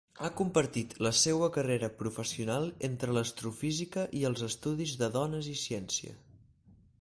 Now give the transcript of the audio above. Ha compartit la seua carrera professional entre l'astrofísica i els estudis de Dones i Ciència.